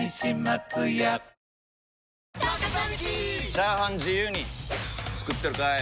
チャーハン自由に作ってるかい！？